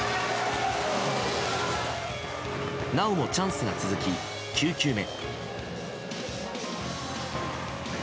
なおもチャンスが続き、９球目。